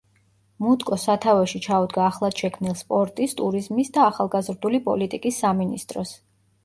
მუტკო სათავეში ჩაუდგა ახლადშექმნილ სპორტის, ტურიზმის და ახალგაზრდული პოლიტიკის სამინისტროს.